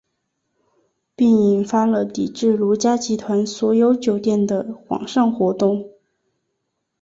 并引发了抵制如家集团所有酒店的网上活动。